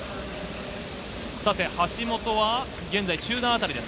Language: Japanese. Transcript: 橋本は現在中段あたりです。